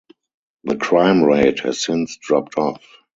The crime rate has since dropped off.